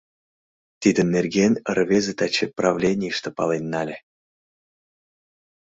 Тидын нерген рвезе таче правленийыште пален нале.